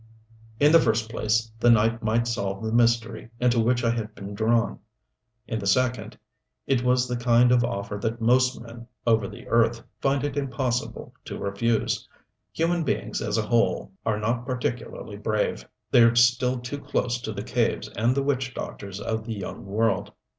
In the first place the night might solve the mystery into which I had been drawn. In the second it was the kind of offer that most men, over the earth, find it impossible to refuse. Human beings, as a whole, are not particularly brave. They are still too close to the caves and the witch doctors of the young world.